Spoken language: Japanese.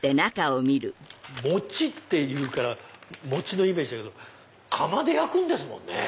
餅っていうから餅のイメージだけど窯で焼くんですもんね